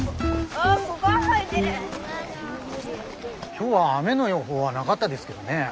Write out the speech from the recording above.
今日は雨の予報はながったですけどねえ。